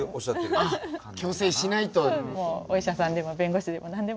ああ強制しないと。